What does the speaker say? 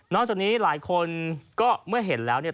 จากนี้หลายคนก็เมื่อเห็นแล้วเนี่ย